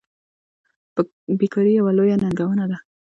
بیکاري یوه لویه ننګونه ده.